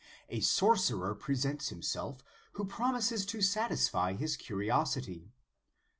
A sorcerer presents himself, who promises to satisfy his curiosity.